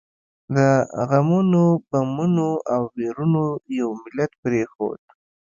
د غمونو، بمونو او ويرونو یو ملت پرېښود.